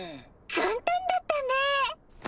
簡単だったねぇ。